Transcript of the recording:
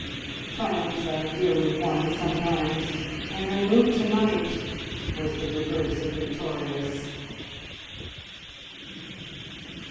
Triumphs are dearly won sometimes, and her mood to night was the reverse of victorious.